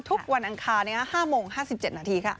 ทุกวันอังคาร๕โมง๕๗นาทีค่ะ